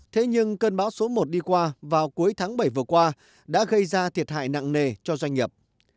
thế nhưng cơn bão số một đi qua vào cuối tháng bảy vừa qua đã gây ra thiệt hại nặng nề cho doanh nghiệp